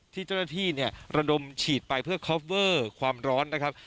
ที่เจ้าหน้าที่เนี่ยระดมฉีดไปเพื่อคอฟเวอร์ความร้อนนะครับ